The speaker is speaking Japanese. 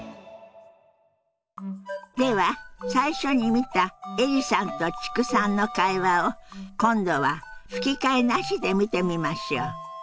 では最初に見たエリさんと知久さんの会話を今度は吹き替えなしで見てみましょう。